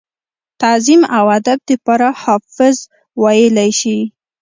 تعظيم او ادب دپاره حافظ وئيلی شي ۔